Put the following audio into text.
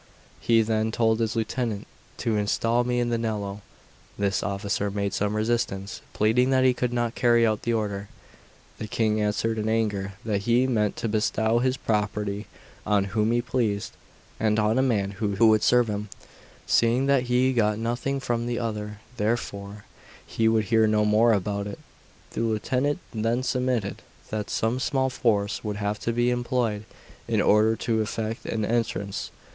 He then told his lieutenant to install me in the Nello. This officer made some resistance, pleading that he could not carry out the order. The King answered in anger that he meant to bestow his property on whom he pleased, and on a man who would serve him, seeing that he got nothing from the other; therefore he would hear no more about it. The lieutenant then submitted that some small force would have to be employed in order to effect an entrance.